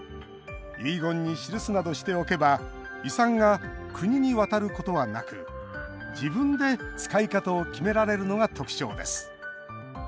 遺言に記すなどしておけば遺産が国に渡ることはなく自分で使い方を決められるのが特徴です。